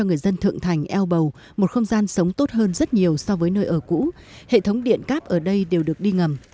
cho người dân thượng thành eo bầu một không gian sống tốt hơn rất nhiều so với nơi ở cũ hệ thống điện cáp ở đây đều được đi ngầm